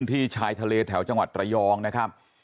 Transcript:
เป็นพื้นที่ชายทะเลแถวจังหวัดตระยองนะครับ